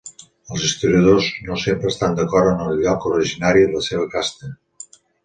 Els historiadors no sempre estan d'acord en el lloc originari i la seva casta.